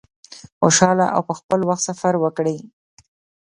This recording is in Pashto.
خوشحاله او په خپل وخت سفر وکړی.